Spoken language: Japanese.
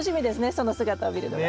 その姿を見るのが。